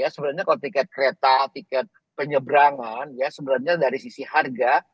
sebenarnya kalau tiket kereta tiket penyeberangan ya sebenarnya dari sisi harga